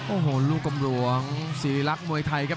โอ้โหลูกกำหลวงศรีรักษมวยไทยครับ